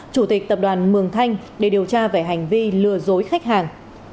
chủ tịch tập đoàn mường thanh để điều tra về hành vi lừa dối khách hàng